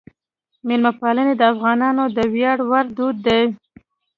میلمهپالنه د افغانانو د ویاړ وړ دود دی.